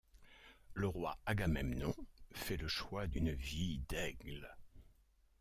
Le roi Agamemnon fait le choix d'une vie d'aigle.